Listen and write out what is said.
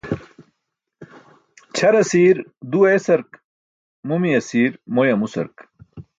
Ćʰar asir du eesark, mumi asiir moy amusark.